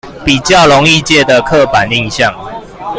比較容易借的刻板印象